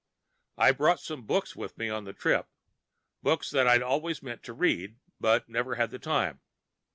I brought some books with me on the trip, books that I'd always meant to read and never had the time.